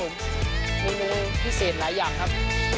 เมนูพิเศษหลายอย่างครับ